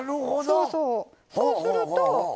そうそうそうすると。